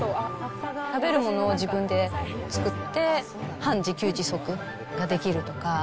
食べるものを自分で作って、半自給自足ができるとか。